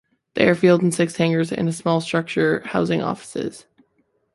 The airfield had six hangars and a smaller structure housing offices.